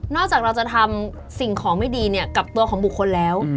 จากเราจะทำสิ่งของไม่ดีเนี่ยกับตัวของบุคคลแล้ว